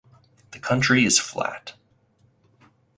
The country is flat.